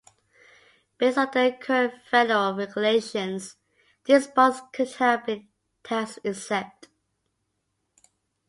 Based on then-current federal regulations these bonds could have been tax-exempt.